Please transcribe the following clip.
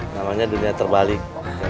namanya dunia terbalik